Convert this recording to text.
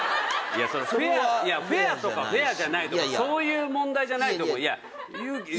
フェアとかフェアじゃないとかそういう問題じゃないと思う。